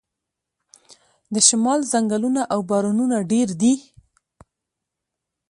د شمال ځنګلونه او بارانونه ډیر دي.